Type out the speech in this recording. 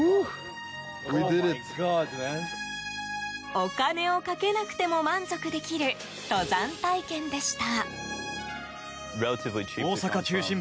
お金をかけなくても満足できる登山体験でした。